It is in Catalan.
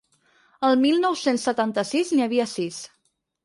El mil nou-cents setanta-sis n’hi havia sis.